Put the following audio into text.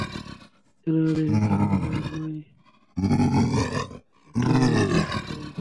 ছেলেরা, দেখে কি মনে হয় এটা ওর পিস্তল?